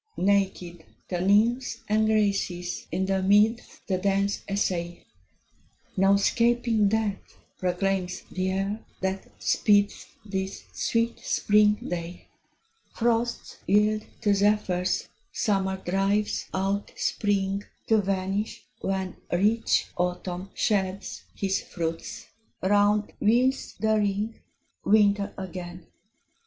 Naked the Nymphs and Graces in the meads The dance essay: "No 'scaping death" proclaims the year, that speeds This sweet spring day. Frosts yield to zephyrs; Summer drives out Spring, To vanish, when Rich Autumn sheds his fruits; round wheels the ring, Winter again!